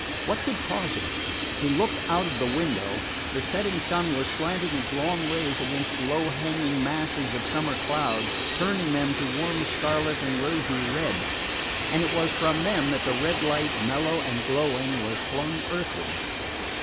What could cause it? He looked out of the window. The setting sun was slanting its long rays against low hanging masses of summer clouds, turning them to warm scarlet and rosy red; and it was from them that the red light, mellow and glowing, was flung earthward.